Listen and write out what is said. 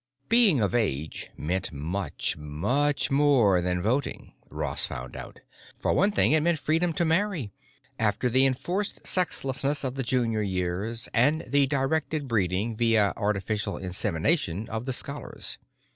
Being Of Age meant much, much more than voting, Ross found out. For one thing, it meant freedom to marry—after the enforced sexlessness of the junior years and the directed breeding via artificial insemination of the Scholars.